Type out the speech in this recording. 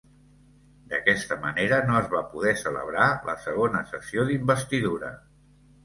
D'aquesta manera no es va poder celebrar la segona sessió d'investidura.